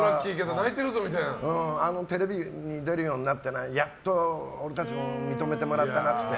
テレビに出るようになってやっと俺たちも認めてもらえたなって。